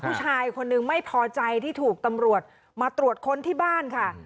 ผู้ชายคนนึงไม่พอใจที่ถูกตำรวจมาตรวจค้นที่บ้านค่ะ